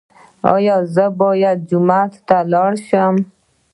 ایا زه باید جومات ته لاړ شم؟